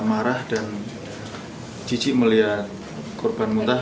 marah dan cici melihat korban muntah